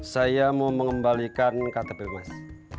saya mau mengembalikan kata bel mas